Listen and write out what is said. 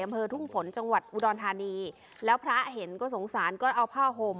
อำเภอทุ่งฝนจังหวัดอุดรธานีแล้วพระเห็นก็สงสารก็เอาผ้าห่ม